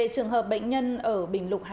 trường hợp bệnh nhân ở bình lục hà nam